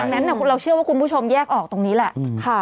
ดังนั้นเราเชื่อว่าคุณผู้ชมแยกออกตรงนี้แหละ